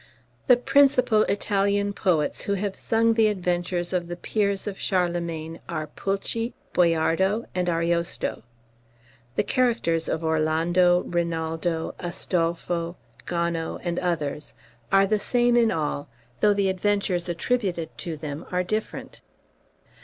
The principal Italian poets who have sung the adventures of the peers of Charlemagne are Pulci, Boiardo, and Ariosto. The characters of Orlando, Rinaldo, Astolpho, Gano, and others, are the same in all, though the adventures attributed to them are different.